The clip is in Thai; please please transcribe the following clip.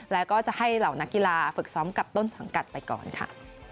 แล้วก็จะให้เหล่านักกีฬาฝึกซ้อมกับต้นสังกัดไปก่อนค่ะ